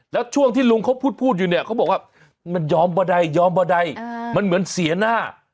แล้วช่วงที่ลุงเขาพูดอยู่เนี่ยเขาบอกว่ามันยอมบันไดยอมบันไดมันเหมือนเสียหน้า